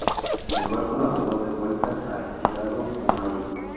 El barco navegó de vuelta a Hirado en mayo.